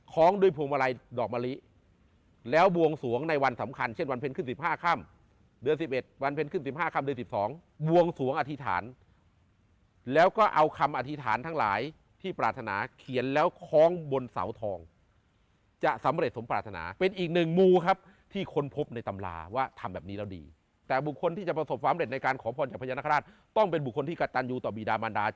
ของด้วยพวงมาลัยดอกมะลิแล้วบวงสวงในวันสำคัญเช่นวันเพ็ญขึ้นสิบห้าค่ำเดือนสิบเอ็ดวันเพ็ญขึ้นสิบห้าค่ำเดือนสิบสองบวงสวงอธิษฐานแล้วก็เอาคำอธิษฐานทั้งหลายที่ปรารถนาเขียนแล้วค้องบนเสาทองจะสำเร็จสมปรารถนาเป็นอีกหนึ่งมูลครับที่ค้นพบในตำราว่าทำแบบนี้แล้วด